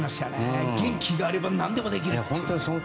元気があれば何でもできるって。